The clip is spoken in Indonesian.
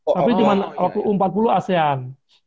tapi cuma u empat puluh asean